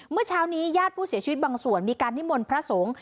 เมื่อเช้านี้ญาติผู้เสียชีวิตบางส่วนมีการนิมนต์พระสงฆ์